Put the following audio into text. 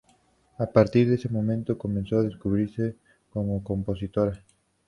A partir de ese momento comenzó a descubrirse como compositora.